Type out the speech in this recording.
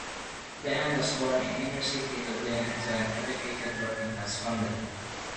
Behan was born in inner-city Dublin into an educated working-class family.